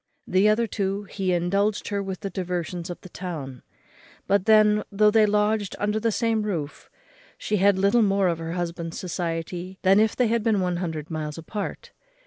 The other two he indulged her with the diversions of the town; but then, though they lodged under the same roof, she had little more of her husband's society than if they had been one hundred miles apart.